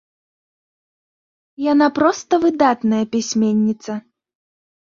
Яна проста выдатная пісьменніца!